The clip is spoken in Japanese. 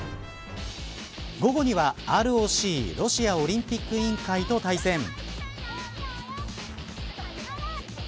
午後にはＲＯＣロシアオリンピック委員会と対戦。